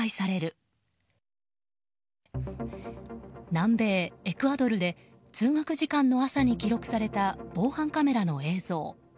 南米エクアドルで通学時間の朝に記録された防犯カメラの映像。